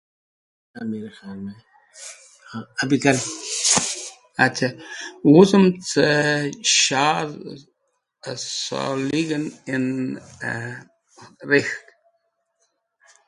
Wuzem cẽ shadh solagig̃h en maktab rek̃hk.